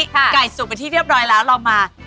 ไก่สุกเป็นที่เรียบร้อยแล้วเรามา